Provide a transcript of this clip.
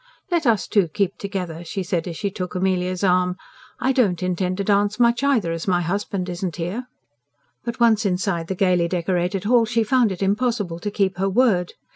"Let us two keep together," she said as she took Amelia's arm. "I don't intend to dance much either, as my husband isn't here." But once inside the gaily decorated hall, she found it impossible to keep her word.